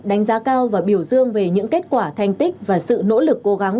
đánh giá cao và biểu dương về những kết quả thành tích và sự nỗ lực cố gắng